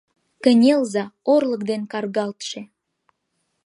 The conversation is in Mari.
Кынелза, орлык ден каргалтше